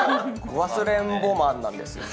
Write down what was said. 忘れんぼマンなんですよ。